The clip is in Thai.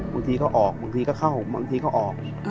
บางทีเขาออกบางทีเขาเข้าออก